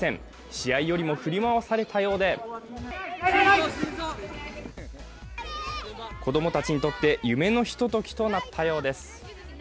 試合よりも振り回されたようで子供たちにとって夢のひとときとなったようです。